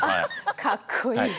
あっかっこいい。